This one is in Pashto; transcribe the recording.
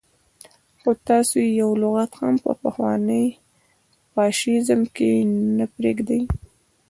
خو تاسو يې يو لغت هم په پخواني فاشيزم کې نه پرېږدئ.